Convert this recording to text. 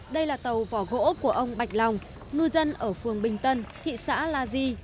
đây là tàu vỏ gỗ của ông bạch lòng ngư dân ở phường bình tân thị xã la di